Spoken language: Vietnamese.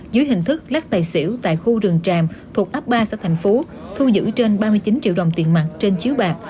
dưới hình thức lắc tài xỉu tại khu rừng tràm thuộc ấp ba xã thành phố thu giữ trên ba mươi chín triệu đồng tiền mặt trên chiếu bạc